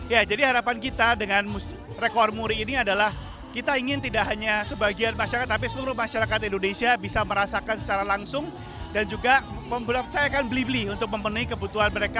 ya jadi harapan kita dengan rekor muri ini adalah kita ingin tidak hanya sebagian masyarakat tapi seluruh masyarakat indonesia bisa merasakan secara langsung dan juga mempercayakan beli beli untuk memenuhi kebutuhan mereka